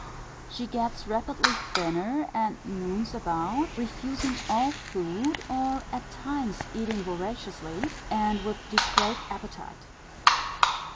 She gets rapidly thinner, and moons about, refusing all food, or at times eating voraciously, and with depraved appetite.